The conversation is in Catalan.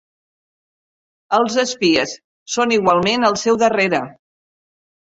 Els espies són igualment al seu darrere.